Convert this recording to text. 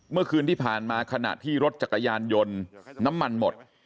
เมื่อคืนที่ผ่านมาขณะที่รถจักรยานยนต์น้ำมันหมด